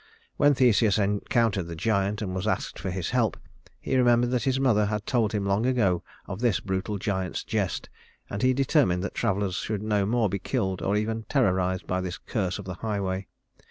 When Theseus encountered the giant and was asked for his help, he remembered that his mother had told him long ago of this brutal giant's jest, and he determined that travelers should no more be killed or even terrorized by this curse of the highway.